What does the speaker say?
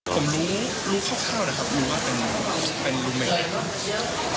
ผมรู้คร่าวนะครับรู้ว่าเป็นรูเมด